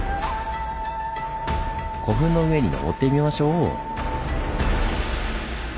古墳の上にのぼってみましょう！